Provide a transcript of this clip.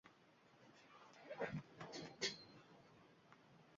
Endi dugonalarimga qaynonamdan, erimdan shikoyat qilish men uchun o`lim bilan barobar